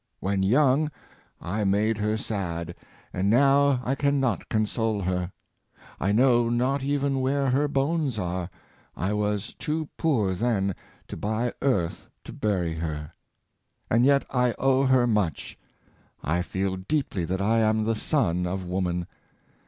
When young, I made her sad, and now I can not console her. I know not even where her bones are: I was too poor then to buy earth to bury her! " And yet I owe her much. I feel deeply that I am the son of woman.